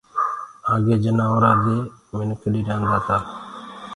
آگي جآنورآن دي منک ڏردآ تآ